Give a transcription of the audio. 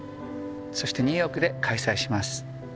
そしてニューヨークで開催します